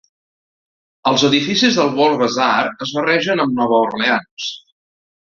Els edificis del World Bazaar es barregen amb Nova Orleans.